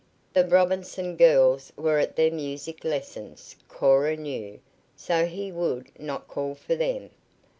The Robinson girls were at their music lessons, Cora knew, so he would not call for them.